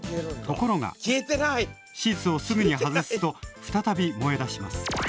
ところがシーツをすぐに外すと再び燃え出します